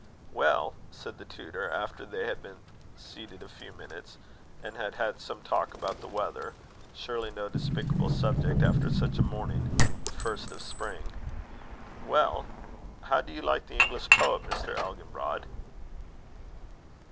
"Well," said the tutor, after they had been seated a few minutes, and had had some talk about the weather surely no despicable subject after such a morning the first of Spring "well, how do you like the English poet, Mr. Elginbrod?"